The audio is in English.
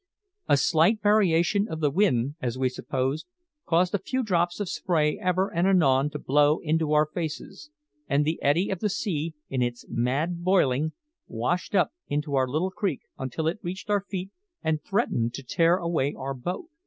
A slight variation of the wind, as we supposed, caused a few drops of spray ever and anon to blow into our faces; and the eddy of the sea, in its mad boiling, washed up into our little creek until it reached our feet and threatened to tear away our boat.